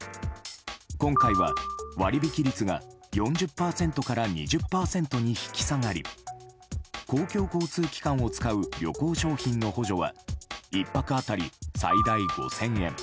今回は、割引率が４０％から２０％に引き下がり公共交通機関を使う旅行商品の補助は１泊当たり最大５０００円